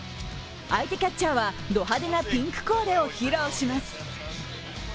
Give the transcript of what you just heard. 相手キャッチャーは、ド派手なピンクコーデを披露します。